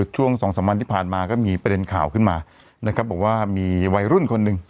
ช่วงสองสามวันที่ผ่านมาก็มีประเด็นข่าวขึ้นมานะครับบอกว่ามีวัยรุ่นคนหนึ่ง